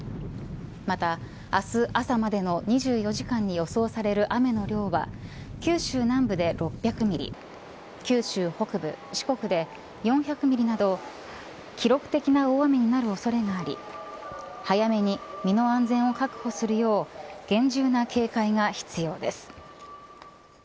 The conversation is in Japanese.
また明日、朝までの２４時間に予想される雨の量は九州南部で６００ミリ九州北部、四国で４００ミリなど記録的な大雨になる恐れがあり早めに身の安全を確保するよう厳重な警戒が必要です。